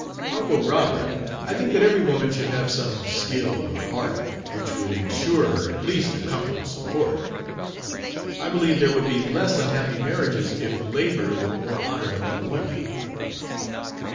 "Uncle Robert, I think that every woman should have some skill or art which would insure her at least a comfortable support. I believe there would be less unhappy marriages if labor were more honored among women."